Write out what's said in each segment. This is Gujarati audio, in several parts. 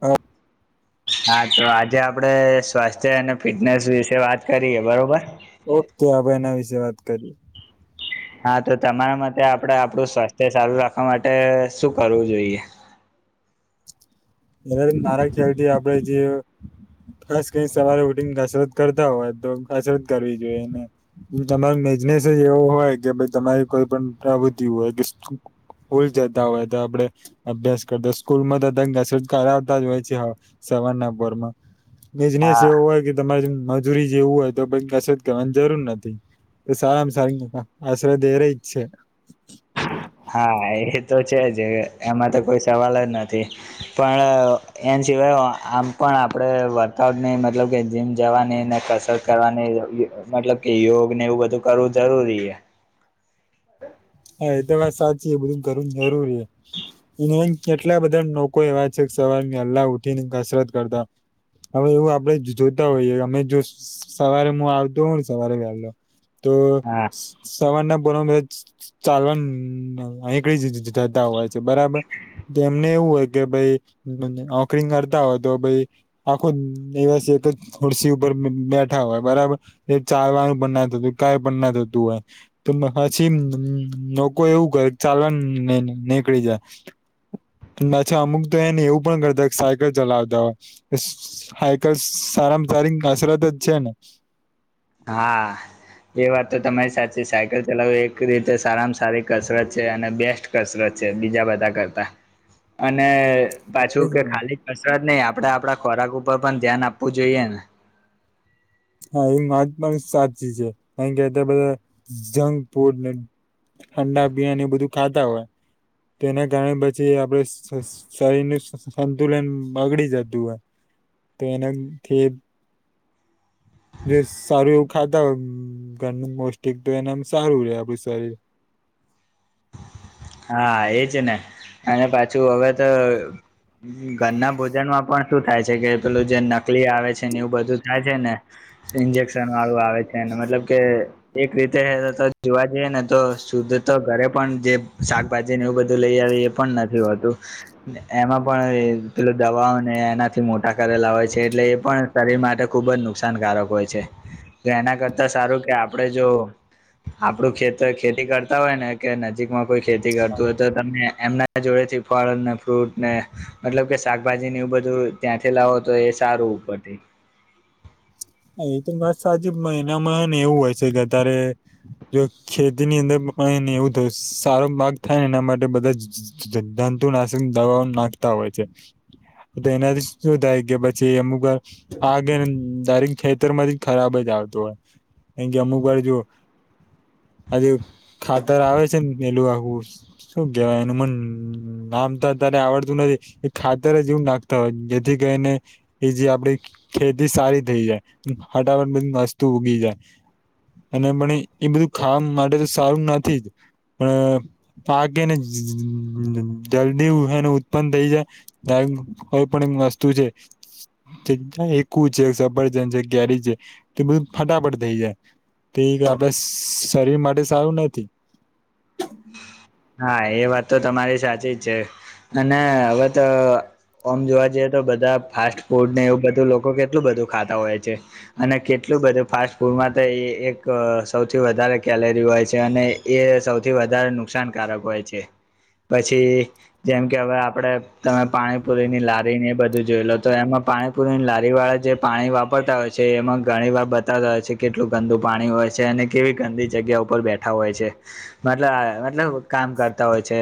હા હા તો આજે આપડે સ્વાસ્થ્ય અને ફિટનેસ વિશે વાત કરીએે બરોબર ઓકે આપડે એના વિશે વાત કરીએ હા તો તમારા મતે આપડે આપણું સ્વાસ્થ્ય સારું રાખવા માટે શું કરવું જોઈએ? જ મારા ખ્યાલતી આપડે જે બસ કઈ સવારે ઉઠીને કસરત કરતા હોય તો કસરત કરવી જોઈએ. તમારો બિઝનેસ જ એવો હોય કે ભાઈ તમારી કોઈ પણ પ્રવૃત્તિ હોય કે સ્કૂલ જતા હોય તો આપડે અભ્યાસ કરતા હોય સ્કૂલ માં તો કસરત કરાવતા જ હોય છે, સવારના પોરમાં બિઝનેસ હા એવું હોય તમારે મજૂરી જેવું હોય તો પછી કશરત કરવાવાની જરૂર નથી. સારા મા સારીંગ આશરે ધરે છેે. હા એ તો છે જ એમાં તો કોઈ સવાલ જ નથી. પણ એના સિવાય આમ પણ આપણે વર્કઆઉટની મતલબ કે જીમ જવાની ને કશ રત કરવાની મતલબ કે યોગ ને એવું બધું કરવું જરૂરી હે હા એ તો વાત સાચી એ બધું કરવુ જરૂરી કેટલા બધા લોકો એવા છે સવાર વેલ્લાહ ઉઠી ને કસરત કરતા હવે એવું આપડે જોતા હોઈએ અમે જો સવારે હું આવતો હોઉ ને સવારે વેલો તો હા સવારના પોરમાં ચાલવાનું નીકળી જ જતા હોય છે, બરાબર તો એમને એવું હોય કે ભાઈ નોકરીંગ કરતા હોય તો ભાઈ આખો દિવસ એક જ ખુરસી ઉપર બેઠા હોય બરાબર એ ચાલવાનું પણ ના થતું કઈ પણ ના થતું હોય તો પછી લોકો એવું કે ચાલવા નીકળી જાય અચ્છા અમુક તો એને એવું પણ કરતા હો કે સાયકલ ચલાવતા હોય સાયકલ સારામાં સારી કસરત જ છે ને હા એ વાત તો તમારી સાચી સાયકલ ચલાવવી એક રીતે સારામાં સારી કસરત છે અને બેસ્ટ કસરત છે બીજા બધા કરતા અને પાછું કે ને ખાલી કસરત નઈ આપડે આપડા ખોરાક ઉપર પણ ધ્યાન આપવું જોઈએ ને. હા એ વાત પણ સાચી છે કારણ કે અત્યારે બધા જંક ફૂડ ઠંડા બીયાન એ બધું ખાતા હોય તોના કારણે પછી આપડે શરીર નું સંતુલન બગડી જતું હોય તો એનાથી જો સારું એવું ખાતા હોય ઘરનું પોસ્ટિક તો એના સારું રે આપડું શરીર. હા એજ ને અને પાછું હવે તો ઘરના ભોજન માં પણ શું થાય છે કે પેલું જે નકલી આવે છે ને એવું બધું થાય છે ને ઈન્જેક્શન વાળુ આવે છેને મતલબ કે એક રીતે જોવા જઈએ ને તો શુદ્ધ તો ઘરે પણ જે શાકભાજી ને એવું બધું લઈ આવી એ પણ નથી હોતું. એમાં પણ પેલો દવાઓ ને એનાથી મોટા કરેલા હોય છે એટલે એ પણ શરીર માટે ખુબ જ નુકસાનકારક હોય છે એના કરતા સારું કે આપણે જો આપડું ખેતર ખેતી કરતા હોય ને કે નજીકમાં કોઈ ખેતી કરતું હોય તો તમે એમના જોડેથી ફળ ને ફ્રૂટ ને મતલબ કે શાકભાજી ને એવું બધું ત્યાંથી લાવો તો એ સારું [unintelligible] એ તો વાત સાચી પણ એનામાં ને એવું હોય છે કે અતારે જો ખેતીની અંદર [unintelligible] એવું થય સારો પાકે થાય ને એના માટે બધા જંતુનાશક દવાઓ નાખતા હોય છે. તો એનાથી શું થાય કે પછી અમુક [unintelligible] ખેતર માંથી ખરાબ જ આવતો હોય કાયકે અમુક વાર જો આજ ખાતર આવે છે ને પેલું આખું શું કેવાય એનું મન નામ તો અત્યારે આવડતું નથી. એ ખાતર જે એવું નાખતા હોય જેથી કરીને એ જે આપડી ખેતી સારી થઈ જાય. ફટાફટ બધી વસ્તુ ઉગી જાય. અને પણ એ બધું ખાવા માટે તો સારું નથી જ પણ પાક હેને જલ્દી હેને ઉત્પન્ન થઈ જાય. [unintelligible] કોઈ પણ એક વસ્તુ છે [unintelligible] [unintelligible] છે તે બધું ફટાફટ થઈ જાય. તે આપડે શરીર માટે સારું નથી. હા એ વાત તો તમારી સાચી જ છે અને હવે તો ઓમ જોવા જઈએ તો બધા ફાસ્ટ ફૂડ ને એવું બધું લોકો કેટલું બધું ખાતા હોય છે. અને કેટલું બધું ફાસ્ટ ફૂડમાં તો એ એક સૌથી વધારે કેલરી હોય છે અને એ સૌથી વધારે નુકસાનકારક હોય છે પછી જેમ કે હવે આપડે તમે પાણીપુરી ની લારી ને એ બધું જોઈ લો તો એમાં પાણી પુરી લારી વાળા જે પાણી વાપરતા હોય છે એમાં ઘણી વાર બતાવતા હોય છે કેટલું ગંદુ પાણી હોય છે અને કેવી ગંદી જગ્યા ઉપર બેઠા હોય છે મતલ મતલબ કામ કરતા હોય છે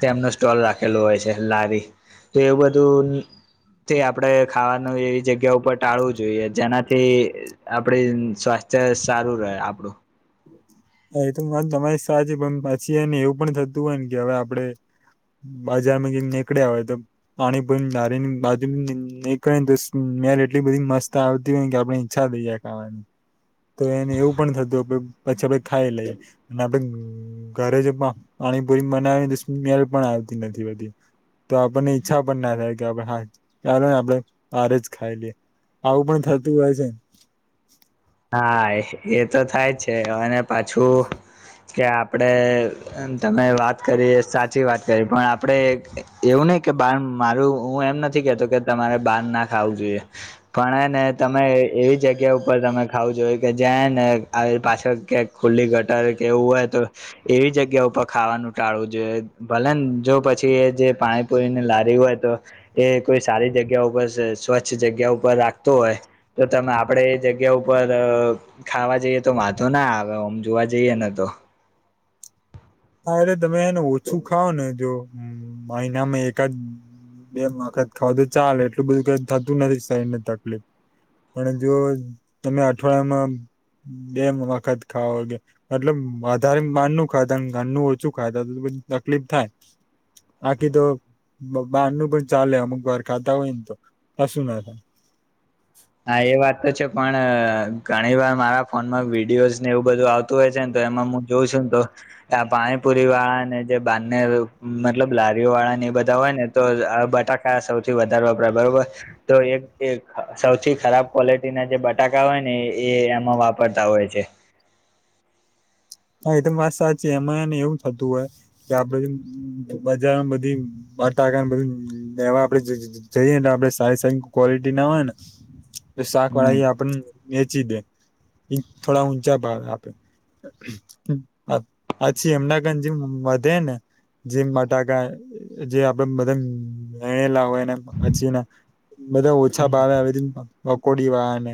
તેમનો સ્ટોલ રાખેલો હોય છે લારી તો એવું બધું થી આપડે ખાવાનું એવી જગ્યા ઉપર ટાળવું જોઈએ જેનાથી આપડે સ્વાસ્થ્ય સારું રહે આપડું. હ એ તો મન તમારી સાચી પણ પછી એને એવું પણ થતું હોય ને કે હવે આપડે બજારમાં જીને નીકળ્યા હોય તો પાણી પૂરીની લારીની બાજુ નીકળે ને તો સ્મેલ એટલી બધી મસ્ત આવતી હોય કે આપડે ઈચ્છા થઈ જાય ખાવા ની તો એને એવું પણ થતું કે પછી આપડે ખાઈ લઈએ અને આપણે ઘરે જે પાણીપુરી બનાવીએ તે સ્મેલ પણ આવતી નથી હોતી. તો આપણને ઈચ્છા પણ ના થાય કે આપડે હા ચાલ ને આપણે બારે જ ખાઈ લઈએ. આવું પણ થતું હોય છે ને હા એ તો થાય જ છે અને પાછું કે આપણે એમ તમે વાત કરીએ સાચી વાત કરી પણ આપણે એવું નહિ કે બાર મારું હું એમ નથી કેતો કે તમારે બાર ના ખાવું જોઈએ. પણ હેને તમે એવી જગ્યા ઉપર તમે. ખાવું જોઈ કે જયાં ને આવી પાછળ કયક ખુલ્લી ગટર કેવું હોય તો એવી જગ્યા ઉપર ખાવાનું ટાળવું જોઈએ. ભલે ને જો પછી એ જે પાણીપુરીને લારી હોય તો એ કોઈ સારી જગ્યા ઉપર સવ સ્વચ્છ જગ્યા ઉપર રાખતો હોય. તો તમે આપડે એ જગ્યા ઉપ પર ખાવા જઈએ તો વાંધો ના આવે ઓમ જોવા જઈએ નને તો. હા અરે તમે એને ઓછું ખાવ ને જો મહિનામાં એકાદ બે વખત ખાવ તો ચાલે એટલું બધું કઈ થતું નથી શરીર ને તકલીફ પણ જો તમે અઠવાડિયામાં બે વખત ખાવ મતલબ વધારે માન નનું ખાત. ઘરનું ઓછું ખાય તો તકલીફ થાય. બાકી તો બ બહાર નું પણ ચાલે અમુક વાર ખાતા હોય ને તો કશું ના થાય. હા એ વાત તો છે પણ ઘણી વાર મારા ફોનમાં વિડીયોઝ ને એવું બધું આવતું તો એમાં હું જોઉં છું ને તો. આ પાણીપુરી વાળા ને જે બને મતલબ લારીઓ વાળા ને એ બધા હોય ને. તો અ બટાકા સૌથી વધારે વપરાય બરોબર તો એક સૌથી ખરાબ ક્વોલિટીના જે બટાકા હોય ને એ એમાં વાપરતા હોય છે. હા એ તો વાત સાચી એમાંને એવું થતું હોય. કે આપડે બજારમાં બધી બટાકા બઘુ લેવા આપડે. જઈને આપડે સારી સારી ક્વોલિટી ના હોય ને. શાક હમ વાળા એ આપડને વેચી દે થોડા ઊંચા ભાવ આપે. પ પાછી એમના કને જે વધે ને. જેમ બટાકા જે આપણે બધા વેડેલા હોય ને પછીને. બધા ઓછા હમ. ભાવ આવી દે. પકોડી વાળા ને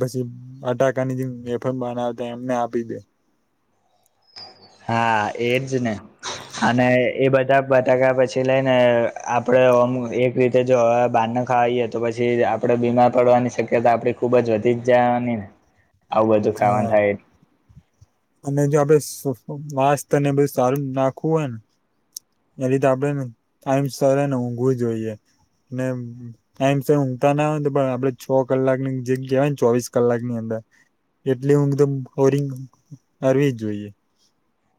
પછી બટાકાની જે વેફર બનાવતા એમને આપી દે. હા એજ ને અને. એ બધા બટાકા પછી લઈને આપણે ઓમ એક રીતે જો હવે બારને ખવાએ તો પછી. આપણે બીમાર પડવાની શક્યતા આપડી ખુબ જ વધી જ જવાની ને આવું બધું ખાવાનું હા થાય. અને જો આપડે વાસ ને બધું સારું નાખવું હોય ને. એ રીતે આપડે ને ટાઈમ સર ને ઊંઘવું જોઈએ. ટાઈમ સે ઊંઘતા ના હોય તો પણ આપડે છો કલાકની જે કહેવાય ને ચોવીસ કલાક ની અંદર. એટલી ઉગ એકદમ હોરિંને કરવી જોઈએ.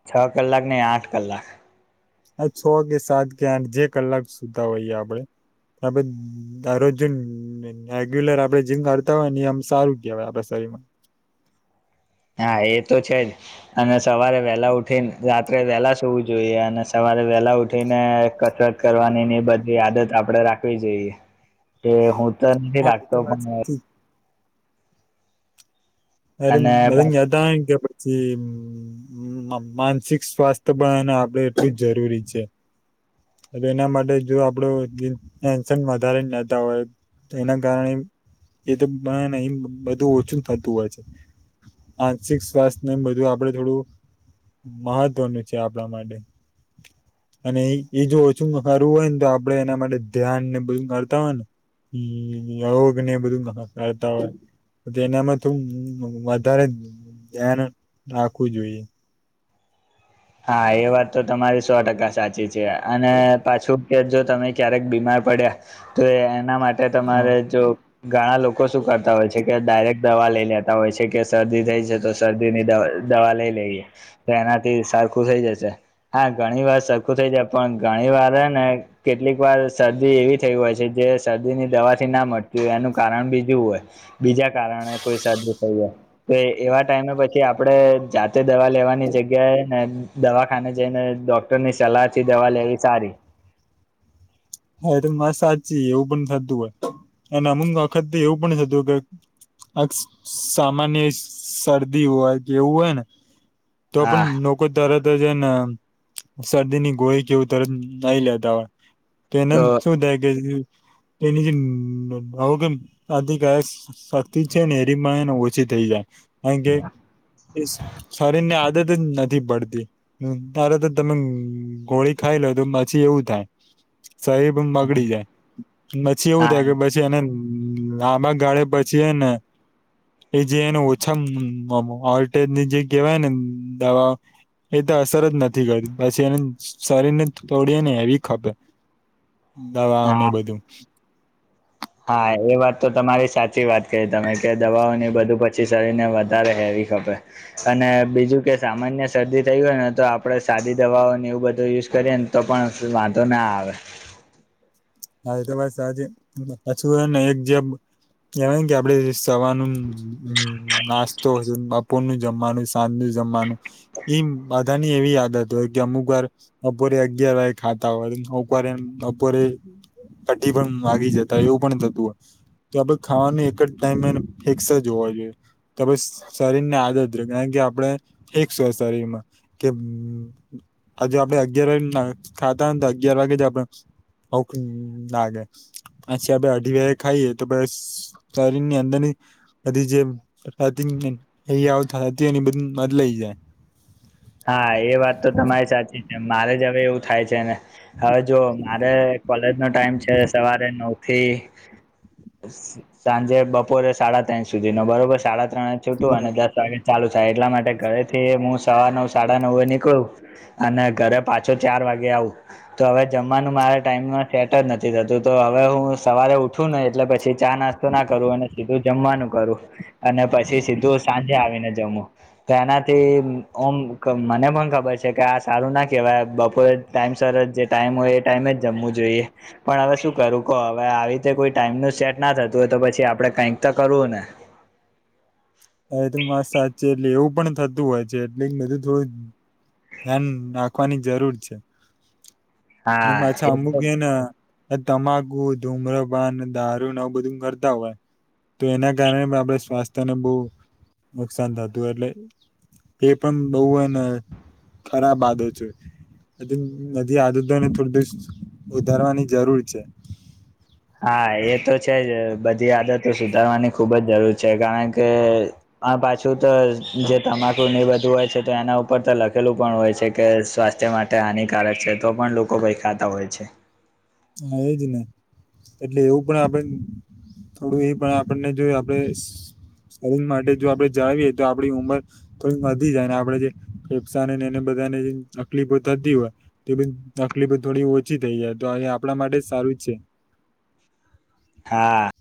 છ કલાક ને આઠ કલાક. આ છ કે સાત કે આઠ જે કલાક સુતા હોઈએ આપડે. આપે ઘારો જેમ. રેગ્યુલર આપણે જીમ કરતા હોય ને એમ સારું કેહેવાય આપણા શરીર માં. હા એ તો છે જ. અને સવારે વહેલાં ઉઠીને રાત્રે વહેલાં સુૂવું જોઈએ અને સવારે વહેલાં ઉઠીને કસરત. કરવાની ની બધી આદત આપડે રાખવી જોઈએ એ હું તો નથી હા એ રાખતો તો વાત પણ. સાચી એ અને મેયાા પચી. [inaudible] મ માનસિક સ્વાસ્થ્ય પણને આપડે એટલું જ જરૂરી છે. એના માટે જો આપડો ટેન્શન વધારેને લેતા હોય. તો એના કારણે એ તો બધું ઓછું થતું હોય છે. આનસિક સ્વાસ્થ્યને બધું આપડે થોડું. મહત્વનું છે આપણા માટે. અને એ એ જો ઓછું કરવું હોય ને તો આપડે એના માટે ધ્યાન ને બધું કરતા હોય ને. યોગ ને એવું બધું કરતાં હોય તો એનામાં થી. વધારે ધ્યાન રાખવું જોઈએ. હા એ વાત તો તમારી સો ટકા સાચી છે અને પાછું કે જો તમે ક્યારેક બીમાર પડ્યા તો એના માટે તમારે હા જો ઘણા લોકો શું કરતા હોય છે કે ડાયરેક્ટ દવા લઈ લેતા હોય છે કે શરદી થઈ છે તો તો શરદી ની દ દવા લઈ લઈએ તો એનાથી સરખું થઈ જશે. હા ઘણી વાર સરખું થઇ જાય પણ ઘણી વાર ને કેટલીક વાર શરદી એવી થઈ હોય છે જે શરદીની દવાથી ના મળતી હોય એનું કારણ બીજું હોય. બીજા કારણે કોઈ સજ થઈએ. તો એવા ટાઈમે પછી આપડે જાતે દવા લેવાની જગ્યાએ ને. દવાખાને જઈને ડોક્ટર ની સલાહ થી દવા લેવી સારી. હા એ તો મા સાચી એવું પણ થતું હોય અને અમુક વખત એવું પણ થતું હોય કે આ સામાન્ય શરદી હોય કે એવું હોય ને તો પણ હા લોકો તરત જ ને શરદીની ગોળી કેવું તરત નઈ લેતા હોય. કેનેમ તો શું થાય કે તેની જે આવું કેમ આથી કાશ શક્તિ છે ને એરીમાંને ઓછી થઈ જાય કારણ કે શરીર ની આદત જ નથી પડતી. તારે તો તમે ગોળી ખાઈ લો તો પછી એવું થાય. સાહેબ બગડી જાય પછી એવું હા થાય કે બ પછી એને લાંબા ગાળે પછી ને એ જે એને ઓછા વોલ્ટેજ ની જે કહેવાય ને દવા એ તો અસર જ નથી કરતી પછી એને શરીર ને થોડી એને હેવી ખપે દવાઓ ને હા બધું. હા એ વાત તો તમારી સાચી વાત કહી તમે કે દવાઓની બધું પછી શરીર ને વધારે હેવી ખપે. અને બીજું કે સામાન્ય શરદી થઈ હોય ને તો આપડે સાદી દવાઓને એવું બધું યુઝ કરીએ ને તો પણ વાંધો ના આવે હા એ તો બસ આજે પાછું ને એક જે કેવાય કે આપડે સવારનું નાસ્તો હશે બપોર નું જમવાનું સાંજ નું જમવાનું એમ બધા ની એવી આદત હોય કે અમુક વાર બપોરે અગિયાર વાગ્યે ખાતા હોય ઉપરે એ બપોરે અઢી પણ વાગી જતા એવું પણ થતું હોય. તો આપણે ખાવાની એક જ ટાઈમે ફિક્સ જ હોવા જોઈએ. તો શરીર ને આદત કારણ કે આપણે ફિક્સ હોય શરીર માં કે હજુ આપડે અગિયાર વાગે ખાતા હોને તો અગિયાર વાગે જ આપડે ભૂખ લાગે પછી આપે અઢી વાગ્યે ખાઈએ તો બસ શરીર ની અંદર ની બધી જે આવતા હતી એ બધ મદલાઈ જાય. હા એ વાત તો તમારી સાચી છે મારે જ હવે એવું થાય છે ને હવે જો મારે કોલેજ નો ટાઈમ છે સવારે નવ થી સાંજે બપોરે સાડા ત્રણ સુધીનો બરોબર સાડા ત્રણે છૂટું અને દસ વાગે ચાલુ થાય એટલા માટે ઘરેથી હું સવા નવ સાડા નવે નીકળું અને ઘરે પાછો ચાર વાગે આવું. તો હવે જમવાનું મારા ટાઈમમાં સેટ જ નથી રેતુ તો હવે હું સવારે ઉઠું ને એટલે પછી ચા નાસ્તા ના કરું અને સીધું જમવાનું કરું. અને પછી સીધું સાંજે આવીને જમું તો એનાથી ઓમ મને પણ ખબર છે કે આ સારું ના કહેવાય બપોરે ટાઈમ સર જ જે ટાઈમ હોય એ ટાઈમે જ જમવું જોઈએ. પણ હવે શું કરું કહો હવે આવી રીતે કોઈ ટાઈમ નું સેટ ના થતું હોય તો પછી આપડે કઈક તો કરવું ને? હ તો માસ સાચી એટલે એવું પણ થતું હોય છે એટલે બધું થોડું ધ્યાન રાખવાની જરૂર છે. અને હા માછા એ અમુકેન એ તમાકુ ધૂમ્રપાન દારૂ એવ બધું કરતા હોય. તો એના કારણે પણ આપણે સ્વાસ્થ્યને બહુ નુકસાન થતું હોય એટલે એ પણ બઉ એને ખરાબ આદતો છે ન આદ તોને થોડુ સુધારવાની જરૂર છે. હા એ તો છે જ બધી આદતો સુધારવાની ખૂબ જ જરૂર છે કારણ કે આ પાછું તો જે તમાકુ ને બધું હોય છે તો એના ઉપર તો લખેલું પણ હોય છે કે સ્વાસ્થ્ય મા ટે હાનિકારક છે તો પણ લોકો ખાતા હોય છે. હા એ જને એટલે એવું પણ આપણે થોડું એ પણ આપણને જોય આપડણે શરીર માટે જો આપડે જાળવીએ તો આપણી ઉંમર તો એ વધી જાય ને આપડે જે ફેફસા ને એને બધાને તકલીફો થતી હોય તે બધી તકલીફો થોડી ઓછી થઈ જાય તો એ આપણા માટે જ સારું જ છે. હા